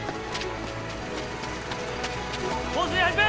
放水始め！